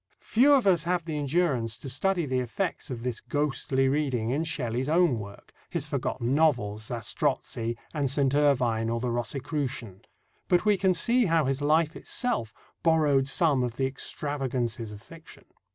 Few of us have the endurance to study the effects of this ghostly reading in Shelley's own work his forgotten novels, Zastrossi, and St. Irvyne or the Rosicrucian but we can see how his life itself borrowed some of the extravagances of fiction.